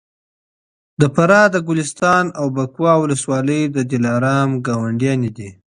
د فراه د ګلستان او بکواه ولسوالۍ د دلارام ګاونډیانې دي